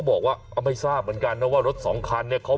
บอกไม่ทราบนะว่ารถที่ส่วน